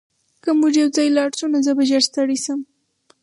که موږ یوځای لاړ شو نو زه به ژر ستړی شم